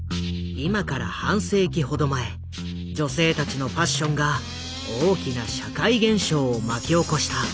今から半世紀ほど前女性たちのファッションが大きな社会現象を巻き起こした。